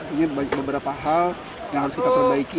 ini beberapa hal yang harus kita perbaiki